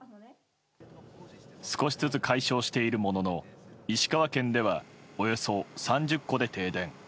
少しずつ解消しているものの石川県ではおよそ３０戸で停電。